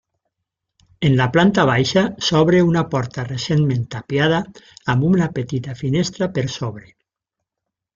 En la planta baixa s'obre una porta recentment tapiada amb una petita finestra per sobre.